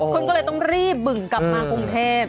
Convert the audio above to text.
คนก็เลยต้องรีบบึงกลับมากรุงเทพ